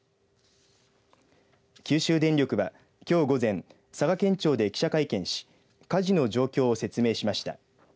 九州電力は、きょう午前佐賀県庁で記者会見し火事の状況を説明しました。